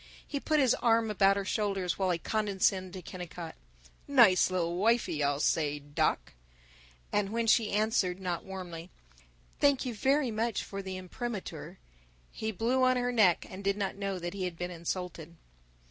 He put his arm about her shoulder while he condescended to Kennicott, "Nice lil wifey, I'll say, doc," and when she answered, not warmly, "Thank you very much for the imprimatur," he blew on her neck, and did not know that he had been insulted.